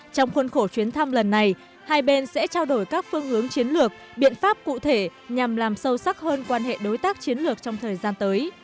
trong khuôn khổ chuyến thăm lần này hai bên sẽ trao đổi các phương hướng chiến lược biện pháp cụ thể nhằm làm sâu sắc hơn quan hệ đối tác chiến lược trong thời gian tới